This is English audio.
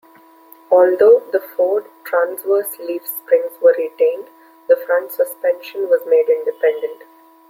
Although the Ford transverse leaf springs were retained, the front suspension was made independent.